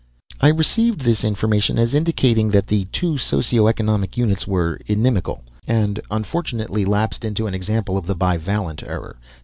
I received this information as indicating that the two socio economic units were inimical, and unfortunately lapsed into an example of the Bivalent Error.